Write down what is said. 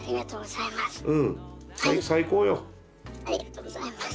はい。